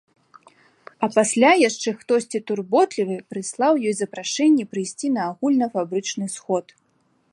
А пасля яшчэ хтосьці турботлівы прыслаў ёй запрашэнне прыйсці на агульнафабрычны сход.